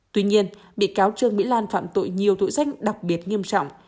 tuy nhiên bị cáo trương mỹ lan phạm tội nhiều thủ danh đặc biệt nghiêm trọng